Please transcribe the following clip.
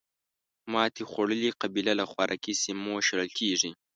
ماتې خوړلې قبیله له خوراکي سیمو شړل کېږي.